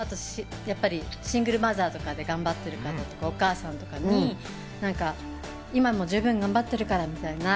シングルマザーとかで頑張っている方とか、お母さんとかに今も十分頑張ってるからみたいな。